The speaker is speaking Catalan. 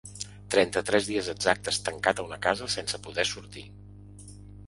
Trenta-tres dies exactes tancat a una casa sense poder sortir.